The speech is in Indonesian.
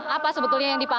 apa sebetulnya yang dipakai